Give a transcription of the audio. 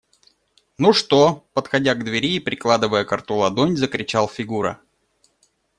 – Ну что? – подходя к двери и прикладывая ко рту ладонь, закричал Фигура.